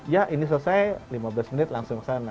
ya ini selesai lima belas menit langsung ke sana